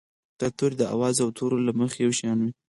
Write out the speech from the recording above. دا توري د آواز او تورو له مخې یو شان وي.